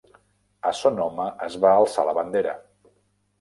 A Sonoma es va alçar la bandera.